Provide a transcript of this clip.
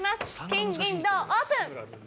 金銀銅オープン！